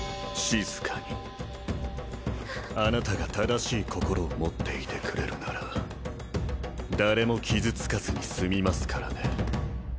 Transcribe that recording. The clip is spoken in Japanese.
静かにあなたが正しい心を持っていてくれるなら誰も傷つかずに済みますからね